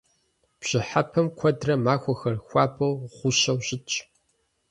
Бжьыхьэпэм куэдрэ махуэхэр хуабэу, гъущэу щытщ.